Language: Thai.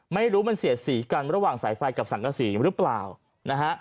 ไม่รู้มันเสียดสีกันระหว่างสายไฟกับสังกษีหรือเปล่านะฮะ